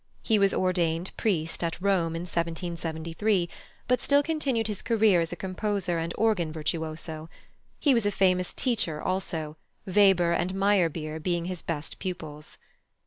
He was ordained priest at Rome in 1773, but still continued his career as a composer and organ virtuoso. He was a famous teacher also, Weber and Meyerbeer being his best pupils.